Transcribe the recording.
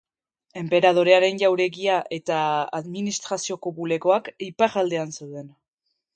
Enperadorearen jauregia eta administrazioko bulegoak iparraldean zeuden.